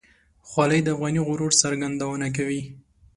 خولۍ د افغاني غرور څرګندونه کوي.